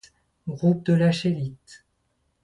Groupe de la scheelite.